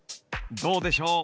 どうでしょう？